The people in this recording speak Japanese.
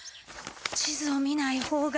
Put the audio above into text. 地図を見ない方が。